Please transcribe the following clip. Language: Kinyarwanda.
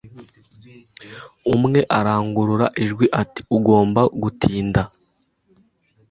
Umwe arangurura ijwi ati Ugomba gutinda